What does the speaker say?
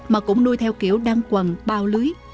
mà cũng nuôi theo kiểu đăng quần bao lưới